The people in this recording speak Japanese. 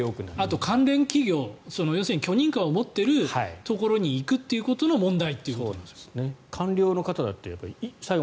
あと関連企業許認可を持っているところに行くということの問題。